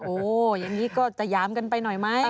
อย่างนี้ก็จะหยามกันไปหน่อยไหม